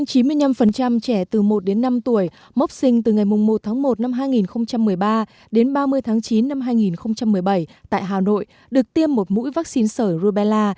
trên chín mươi năm trẻ từ một đến năm tuổi mốc sinh từ ngày một tháng một năm hai nghìn một mươi ba đến ba mươi tháng chín năm hai nghìn một mươi bảy tại hà nội được tiêm một mũi vaccine sởi rubella